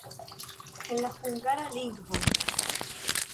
En la hungara lingvo.